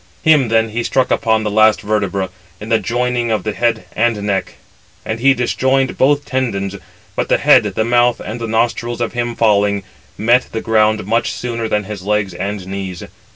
Him then he struck upon the last vertebra, in the joining of the head and neck, and he disjoined both tendons; but the head, the mouth, and the nostrils of him falling, met the ground much sooner than his legs and knees.